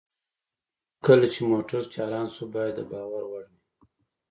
کله چې موټر چالان شو باید د باور وړ وي